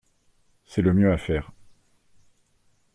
C’est le mieux à faire.